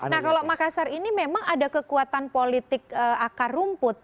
nah kalau makassar ini memang ada kekuatan politik akar rumput